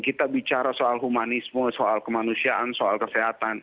kita bicara soal humanisme soal kemanusiaan soal kesehatan